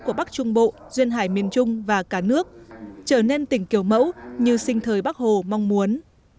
của bắc trung bộ duyên hải miền trung và cả nước trở nên tỉnh kiểu mẫu như sinh thời bắc hồ mong muốn